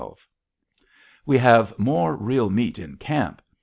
_ We have more real meat in camp.